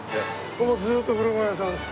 ここずーっと古本屋さんです。